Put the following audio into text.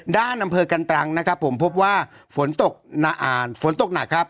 ด้านอำเภอกันตรังนะครับผมพบว่าฝนตกหนักฝนตกหนักครับ